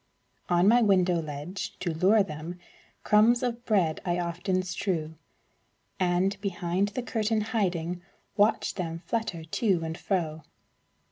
On my window ledge, to lure them, Crumbs of bread I often strew, And, behind the curtain hiding, Watch them flutter to and fro.